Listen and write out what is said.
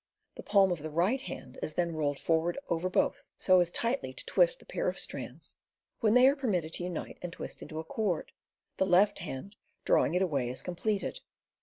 The palm of the right hand is then rolled for ward over both, so as tightly to twist the pair of strands, when they are permitted to unite and twist into a cord, the left hand drawing it away as completed.